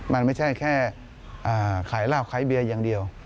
มันไม่ใช่แค่ขายเหล้าขายเบียร์อย่างเดียว